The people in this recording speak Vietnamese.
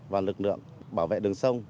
và lực lượng bảo vệ đường sông